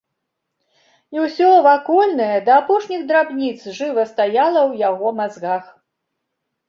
І ўсё вакольнае да апошніх драбніц жыва стаяла ў яго мазгах.